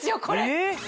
これ。